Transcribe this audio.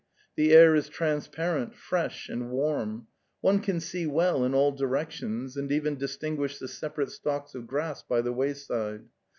The air is transparent, fresh and warm; one can see well in all directions and even distinguish the sepa rate stalks of grass by the wayside.